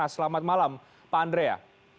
selamat malam pak andrea